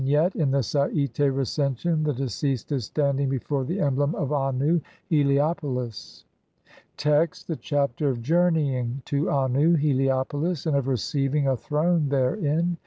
] Vignette : In the Sai'tc Recension the deceased is standing before the emblem of Annu (Heliopolis) (Lepsius, op. cit., Bl. 28). Text : (1) The Chapter of journeying to Annu (Helio polis) AND OF RECEIVING A THRONE THEREIN.